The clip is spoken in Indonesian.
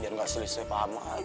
biar gak selisih paham hati